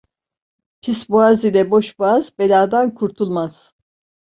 Pisboğaz ile boş boğaz, beladan kurtulmaz.